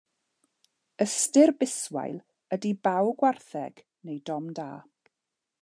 Ystyr biswail ydy baw gwartheg, neu dom da.